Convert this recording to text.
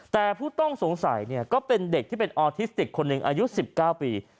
แต่ผู้ต้องสงสัยก็เป็นเด็กที่เป็นออทิสติกคนหนึ่งอายุ๑๙ปี